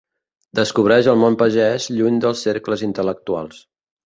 Descobreix el món pagès, lluny dels cercles intel·lectuals.